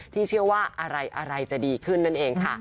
เชื่อว่าอะไรจะดีขึ้นนั่นเองค่ะ